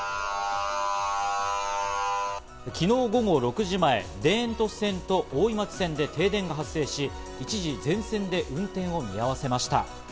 昨日午後６時前、田園都市線と大井町線で停電が発生し、一時全線で運転を見合わせました。